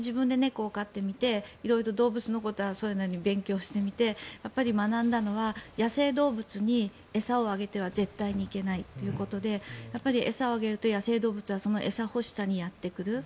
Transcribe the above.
私、自分で猫を飼ってみて動物についてそれなりに勉強してみて学んだのは、野生動物に餌をあげては絶対にいけないということで餌をあげると野生動物は餌欲しさにやってくる。